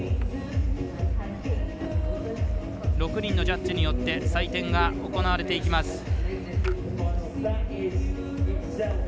６人のジャッジによって採点が行われていきます。